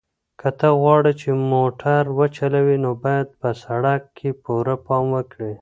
که ته غواړې چې موټر وچلوې نو باید په سړک کې پوره پام وکړې.